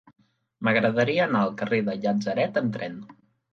M'agradaria anar al carrer del Llatzeret amb tren.